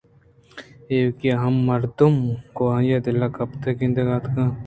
ایوکءَ ہمے مردم گوں آئی ءَ دل پہک گندگ ءَاتک اَنت